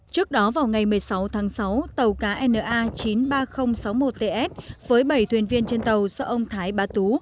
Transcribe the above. trước đó vào ngày một mươi sáu tháng sáu tàu cá na chín mươi ba nghìn sáu mươi một ts với bảy thuyền viên trên tàu do ông thái bá tú